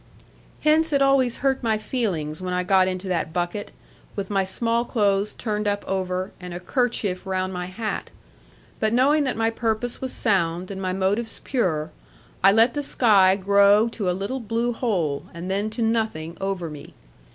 Hence it always hurt my feelings when I got into that bucket, with my small clothes turned up over, and a kerchief round my hat. But knowing that my purpose was sound, and my motives pure, I let the sky grow to a little blue hole, and then to nothing over me.